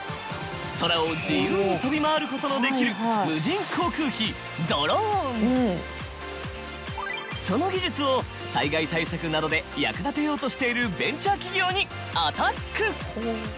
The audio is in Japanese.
空を自由に飛び回ることのできる無人航空機その技術を災害対策などで役立てようとしているベンチャー企業にアタック！